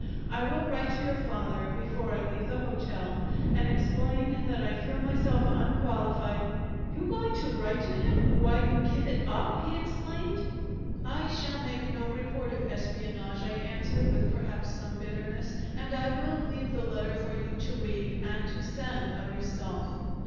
I will write to your father before I leave the hotel and explain that I feel myself unqualified " "You're going to write to him why you give it up!" he exclaimed. "I shall make no report of espionage," I answered, with, perhaps, some bitterness, "and I will leave the letter for you to read and to send, of yourself.